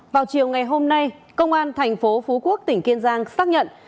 vào chiều ngày hôm nay công an thành phố phú quốc tỉnh kiên giang xác nhận